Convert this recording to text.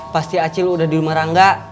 pasti acil udah di rumah rangga